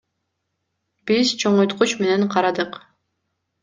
Биз чоңойткуч менен карадык.